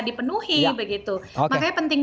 dipenuhi makanya penting